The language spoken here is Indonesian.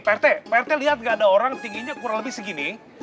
prt prt lihat gak ada orang tingginya kurang lebih segini